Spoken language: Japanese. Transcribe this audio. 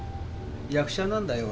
役者なんだよ